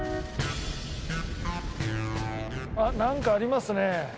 あっなんかありますね。